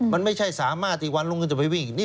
มันไม่ใช่สามารถที่วันลงเงินจะไปวิ่ง